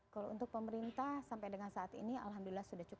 kalau untuk pemerintah sampai dengan saat ini alhamdulillah sudah cukup